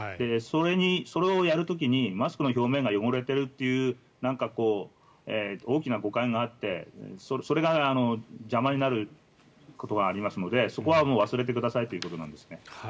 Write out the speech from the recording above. それをやる時にマスクの表面が汚れているというなんか大きな誤解があってそれが邪魔になることがありますのでそこはもう、忘れてくださいということなんです。